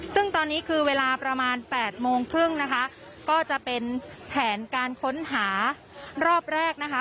ซึ่งตอนนี้คือเวลาประมาณ๘โมงครึ่งนะคะก็จะเป็นแผนการค้นหารอบแรกนะคะ